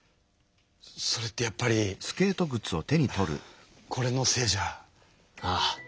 それってやっぱりこれのせいじゃ？ああ。